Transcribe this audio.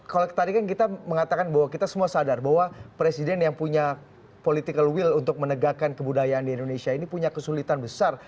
kalau tadi kan kita mengatakan bahwa kita semua sadar bahwa presiden yang punya political will untuk menegakkan kebudayaan di indonesia ini punya kesulitan besar